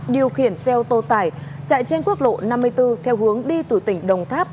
điều khiển xe ô tô tải chạy trên quốc lộ năm mươi bốn theo hướng đi từ tỉnh đồng tháp